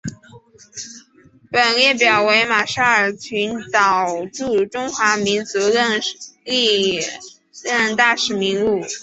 本列表为马绍尔群岛驻中华民国历任大使名录。